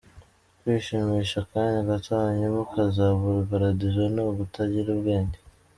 Kwishimisha akanya gato hanyuma ukazabura paradizo, ni ukutagira ubwenge.